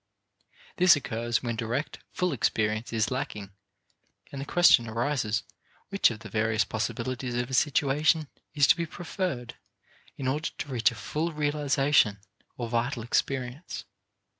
This occurs when direct full experience is lacking, and the question arises which of the various possibilities of a situation is to be preferred in order to reach a full realization, or vital experience.